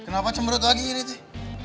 eh kenapa cemberut lagi ini tuh